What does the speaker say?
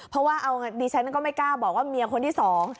เพราะว่าเอาไงดิฉันก็ไม่กล้าบอกว่าเมียคนที่สอง